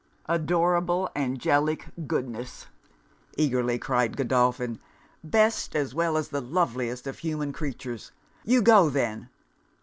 'Adorable, angelic goodness!' eagerly cried Godolphin. 'Best, as well as loveliest of human creatures! You go then?'